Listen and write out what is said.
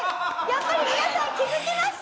やっぱり皆さん気付きましたね？